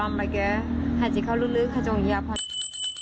ทำเสียงเหมือนแม่เอาไปเลย